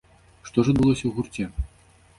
Што ж адбылося ў гурце?